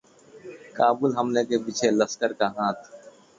काबुल हमले के पीछे लश्कर का हाथ